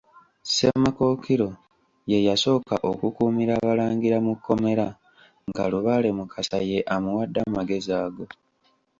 Ssemakookiro ye yasooka okukuumira Abalangira mu kkomera nga Lubaale Mukasa ye amuwadde amagezi ago.